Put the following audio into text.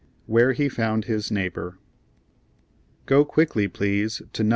WHERE HE FOUND HIS NEIGHBOR "Go quickly, please, to No.